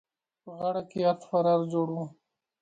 په غاړه کې يې ارت پرار جوړ وو.